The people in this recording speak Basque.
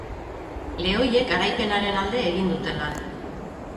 Lehoiek garaipenaren alde egin dute lan.